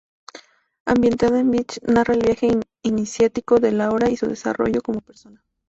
Ambientada en Vich, narra el viaje iniciático de Laura y su desarrollo como persona.